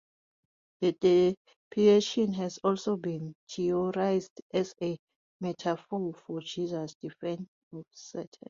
The depiction has also been theorized as a metaphor for Jesus's defeat of Satan.